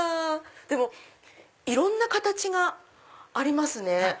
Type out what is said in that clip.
でもいろんな形がありますね。